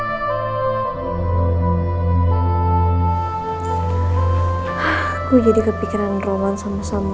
aku jadi kepikiran roman sama sama